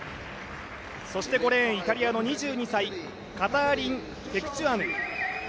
そして５レーン、イタリアの２２歳カターリン・テクチュアヌ。